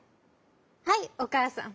「はいおかあさん。